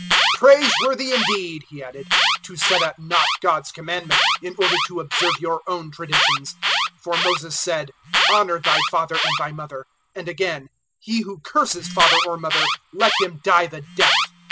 007:009 "Praiseworthy indeed!" He added, "to set at nought God's Commandment in order to observe your own traditions! 007:010 For Moses said, 'Honour thy father and thy mother' and again, 'He who curses father or mother, let him die the death.'